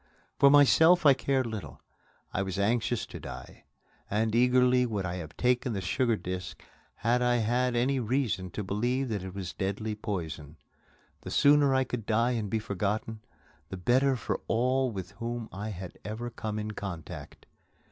For myself I cared little. I was anxious to die, and eagerly would I have taken the sugar disc had I had any reason to believe that it was deadly poison. The sooner I could die and be forgotten, the better for all with whom I had ever come in contact.